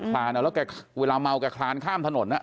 คลานเอาแล้วแกเวลาเมาแกคลานข้ามถนน